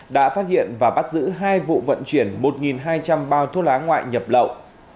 đã phát hiện và bắt giữ hai vụ vận chuyển một hai trăm linh bao thuốc lá ngoại nhập lậu